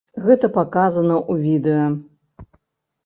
Гэта паказана ў відэа.